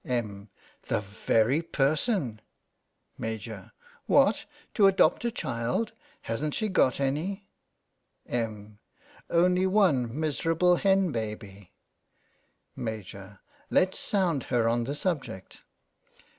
Em, : The very person ! Maj\: What, to adopt a child? Hasn't she got any? Em. : Only one miserable hen baby. Maj, : Let's sound her on the subject.